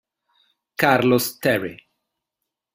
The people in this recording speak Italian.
Carlos Terry